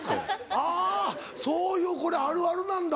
あそういうこれあるあるなんだ。